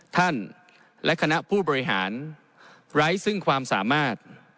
ท่านและคณะผู้บริหารไร้ซึ่งความสามารถ